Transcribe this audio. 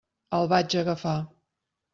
El vaig agafar.